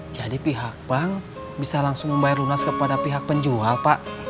jadi pihak bank bisa langsung membayar lunas kepada pihak penjuru